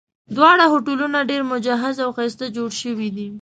دواړه هوټلونه ډېر مجهز او ښایسته جوړ شوي دي.